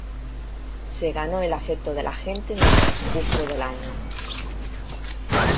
Se ganó el afecto de la gente en el transcurso del año.